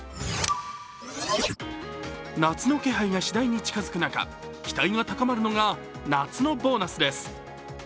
夏の気配が次第に近づく中、期待が高まるのが夏のボーナスです。